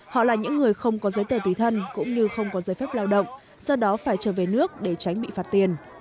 họ là những người không có giấy tờ tùy thân cũng như không có giấy phép lao động do đó phải trở về nước để tránh bị phạt tiền